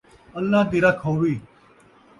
اللہ دی رکھ ہووی